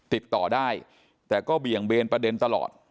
ติดต่อได้แต่ก็เบี่ยงเบนประเด็นตลอด